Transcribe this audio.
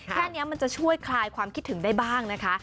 แค่นี้มันจะช่วยคลายความคิดถึงได้บ้างนะคะ